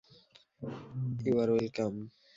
You are ওয়েল-কাম!